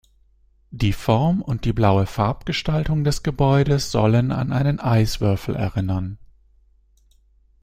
Die Form und die blaue Farbgestaltung des Gebäudes sollen an einen Eiswürfel erinnern.